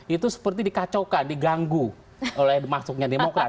itu seperti dikacaukan diganggu oleh masuknya demokrat